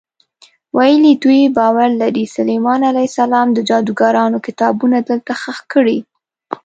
ویل یې دوی باور لري سلیمان علیه السلام د جادوګرانو کتابونه دلته ښخ کړي.